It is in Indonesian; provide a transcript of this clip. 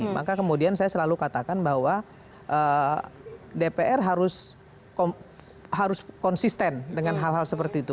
maka kemudian saya selalu katakan bahwa dpr harus konsisten dengan hal hal seperti itu